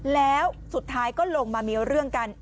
แล้วสุดท้ายก็ลงมามีเรื่องกัน